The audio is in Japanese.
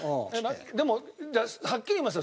でもはっきり言いますよ。